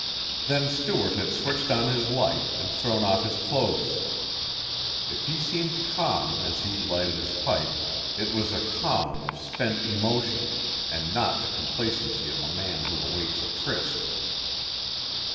Then Stuart had switched on his light, and thrown off his clothes. If he seemed calm as he lighted his pipe, it was a calm of spent emotion, and not the complacency of a man who awaits a tryst.